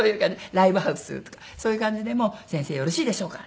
ライブハウスとかそういう感じでも先生よろしいでしょうか？